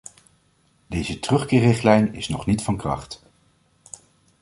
Deze terugkeerrichtlijn is nog niet van kracht.